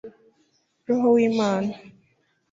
roho w'imana